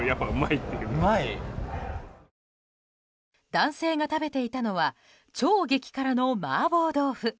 男性が食べていたのは超激辛の麻婆豆腐。